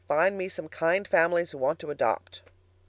Find me some kind families who want to adopt.